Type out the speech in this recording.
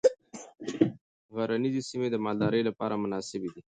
غرنیزې سیمې د مالدارۍ لپاره مناسبې دي.